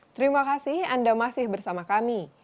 terima kasih anda masih bersama kami